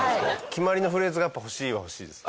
決まりのフレーズがやっぱ欲しいは欲しいです。